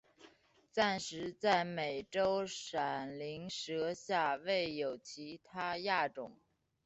暂时在美洲闪鳞蛇下未有其它亚种。